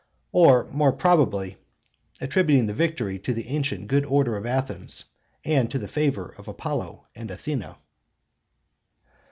or, more probably, attributing the victory to the ancient good order of Athens and to the favor of Apollo and Athene (cp.